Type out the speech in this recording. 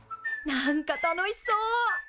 何か楽しそう！